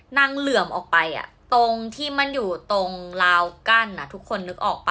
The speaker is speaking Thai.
เหลื่อมออกไปตรงที่มันอยู่ตรงราวกั้นทุกคนนึกออกป่